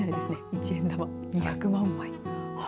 一円玉２００万枚。